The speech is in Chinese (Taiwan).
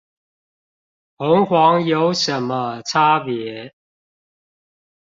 紅黃有什麼差別？